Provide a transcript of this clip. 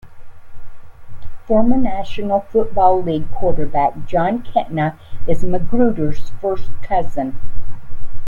Former National Football League quarterback Jon Kitna is Magruder's first cousin.